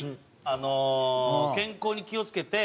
あの健康に気を付けて。